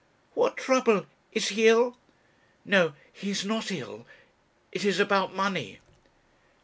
'What trouble is he ill?' 'No he is not ill. It is about money.'